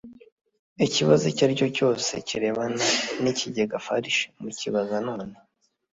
ikibazo icyo ari cyo cyose kirebana n ikigega farg mukibaze none